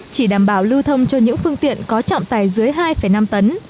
chỉ đảm bảo lưu thông cho những phương tiện có trọng tài dưới hai năm tấn